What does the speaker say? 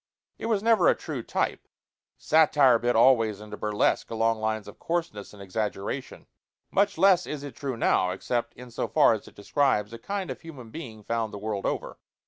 It was never a true type: satire bit always into burlesque along lines of coarseness and exaggeration. Much less is it true now, except in so far as it describes a kind of human being found the world over.